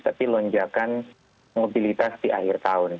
tapi lonjakan mobilitas di akhir tahun